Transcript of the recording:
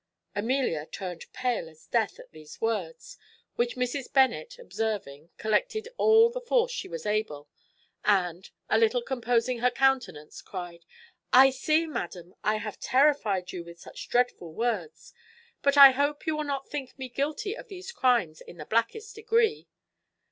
Amelia turned pale as death at these words, which Mrs. Bennet observing, collected all the force she was able, and, a little composing her countenance, cried, "I see, madam, I have terrified you with such dreadful words; but I hope you will not think me guilty of these crimes in the blackest degree."